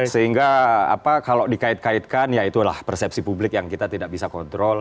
sehingga kalau dikait kaitkan ya itulah persepsi publik yang kita tidak bisa kontrol